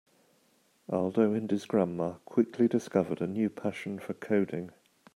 Aldo and his grandma quickly discovered a new passion for coding.